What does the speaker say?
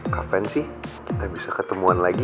kapan sih kita bisa ketemuan lagi